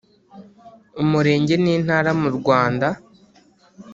umurenge n’Intara mu Rwanda